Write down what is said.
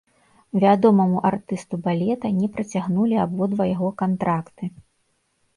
Вядомаму артысту балета не працягнулі абодва яго кантракты.